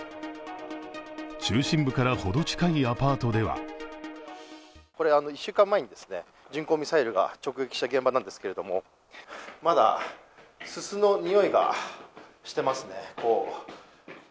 中心部から程近いアパートでは１週間前に巡航ミサイルが直撃した現場ですがまだ、すすの臭いがしてますね。